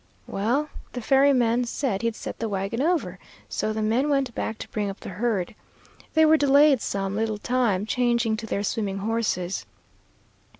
"Well, the ferryman said he'd set the wagon over, so the men went back to bring up the herd. They were delayed some little time, changing to their swimming horses.